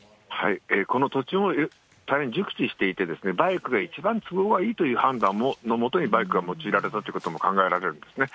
この土地を大変熟知していて、バイクが一番都合がいいという判断の下にバイクが用いられたということも考えられるんですね。